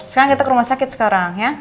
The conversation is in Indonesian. sekarang kita ke rumah sakit sekarang ya